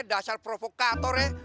dasar provokator ya